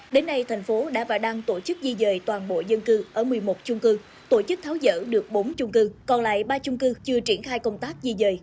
đến nay thành phố đã bảo đảm tổ chức di rời toàn bộ dân cư ở một mươi một trung cư tổ chức tháo dở được bốn trung cư còn lại ba trung cư chưa triển khai công tác di rời